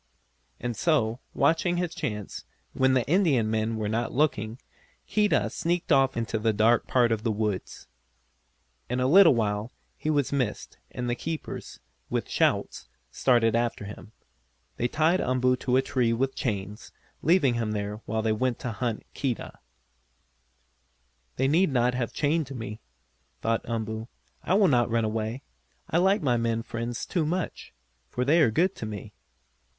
And so, watching his chance, when the Indian men were not looking, Keedah sneaked off into the dark part of the woods. In a little while he was missed, and the keepers, with shouts, started after him. They tied Umboo to a tree with chains, leaving him there while they went to hunt Keedah. "They need not have chained me," thought Umboo. "I would not run away. I like my men friends too much, for they are good to me."